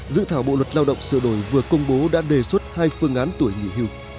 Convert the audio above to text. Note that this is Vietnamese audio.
dự thảo bộ luật lao động sửa đổi vừa công bố đã đề xuất hai phương án tuổi nghỉ hưu